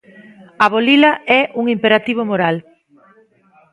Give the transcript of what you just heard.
Abolila é un imperativo moral.